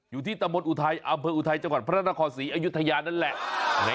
อยู่ที่ตะมนต์อุทัยอำเภออุทัยจังหวัดพระนครศรีอยุธยานั่นแหละ